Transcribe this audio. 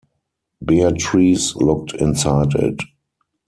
Beatrice looked inside it.